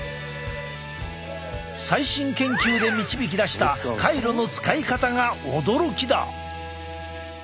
最新研究で導き出したカイロの使い方が驚きだ！